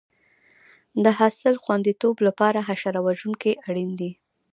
د حاصل خوندیتوب لپاره حشره وژونکي اړین دي.